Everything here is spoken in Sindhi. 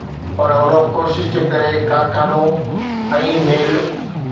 پر ان ڪوشش جي ڪري ڪارخانو ۽ ميل